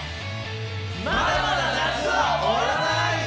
まだまだ夏は終わらない。